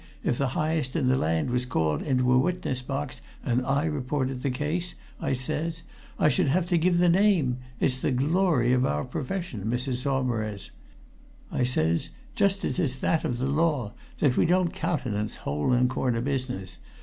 'If the highest in the land was called into a witness box, and I reported the case,' I says, 'I should have to give the name! It's the glory of our profession, Mrs. Saumarez.' I says, 'just as it's that of the law, that we don't countenance hole and corner business.